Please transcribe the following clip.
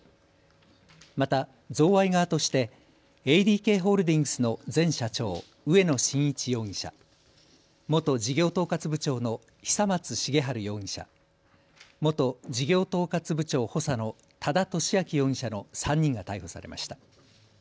また贈賄側としてＡＤＫホールディングスの前社長、植野伸一容疑者、元事業統括部長の久松茂治容疑者、元事業統括部長補佐の多田俊明容疑者の３人が逮捕されました。